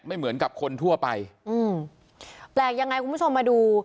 ไม่เหมือนกับคนทั่วไปอืมแปลกยังไงคุณผู้ชมมาดู